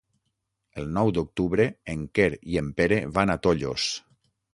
El nou d'octubre en Quer i en Pere van a Tollos.